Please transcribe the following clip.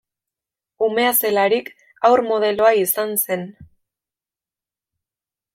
Umea zelarik haur modeloa izan zen.